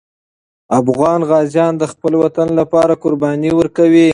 افغان غازي د خپل وطن لپاره قرباني ورکوي.